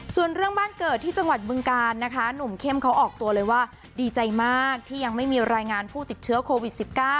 ส่วนเรื่องบ้านเกิดที่จังหวัดบึงการนะคะหนุ่มเข้มเขาออกตัวเลยว่าดีใจมากที่ยังไม่มีรายงานผู้ติดเชื้อโควิด๑๙